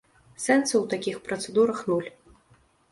Сэнсу ў такіх працэдурах нуль.